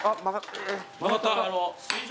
曲がった。